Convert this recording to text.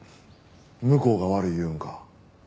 向こうが悪い言うんか？